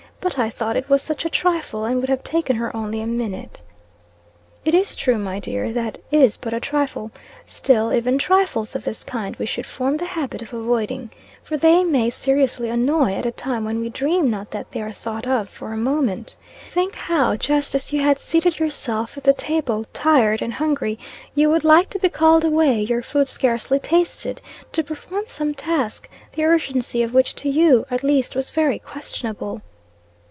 "But I thought, it was such a trifle, and would have taken her only a minute." "It is true, my dear, that is but a trifle. Still, even trifles of this kind we should form the habit of avoiding; for they may seriously annoy at a time when we dream not that they are thought of for a moment. Think how, just as you had seated yourself at the table, tired and hungry, you would like to be called away, your food scarcely tasted, to perform some task, the urgency of which to you, at least, was very questionable?"